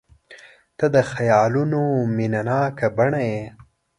• ته د خیالونو مینهناکه بڼه یې.